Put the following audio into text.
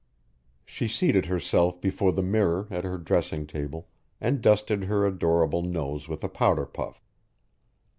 She seated herself before the mirror at her dressing table and dusted her adorable nose with a powder puff.